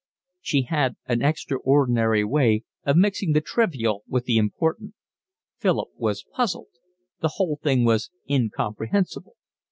She had an extraordinary way of mixing the trivial with the important. Philip was puzzled. The whole thing was incomprehensible.